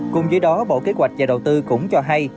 cùng với đó bộ kế hoạch và đầu tư cũng cho hay